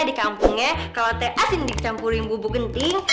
di kampungnya kalau teh asin dicampurin bubuk genting